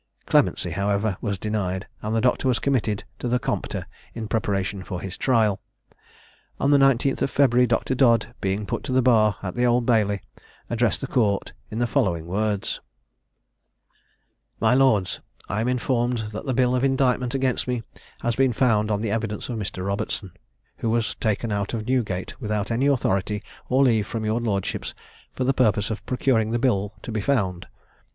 Clemency, however, was denied; and the doctor was committed to the Compter in preparation for his trial. On the 19th of February, Dr. Dodd, being put to the bar at the Old Bailey, addressed the Court in the following words: "My lords, I am informed that the bill of indictment against me has been found on the evidence of Mr. Robertson, who was taken out of Newgate, without any authority or leave from your lordships, for the purpose of procuring the bill to be found.